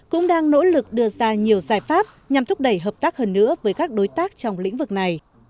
cũng đang nỗ lực đưa ra nhiều giải pháp nhằm thúc đẩy hợp tác hơn nữa với các đối tác trong lĩnh vực này